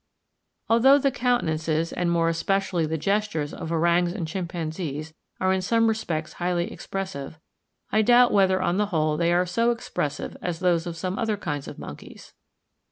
Although the countenances, and more especially the gestures, of orangs and chimpanzees are in some respects highly expressive, I doubt whether on the whole they are so expressive as those of some other kinds of monkeys.